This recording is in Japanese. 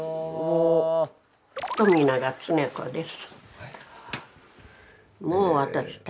富永恒子です。